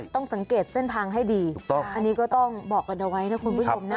ต้องสังเกตเส้นทางให้ดีอันนี้ก็ต้องบอกกันเอาไว้นะคุณผู้ชมนะ